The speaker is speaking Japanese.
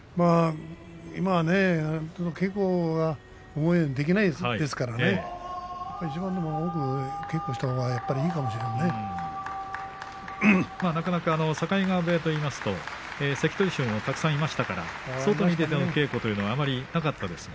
今は稽古を思うようにできませんからね一番でも多く稽古をしたほうがなかなか境川部屋といいますと関取衆もたくさんいましたから外に出ての稽古というのはなかったですが。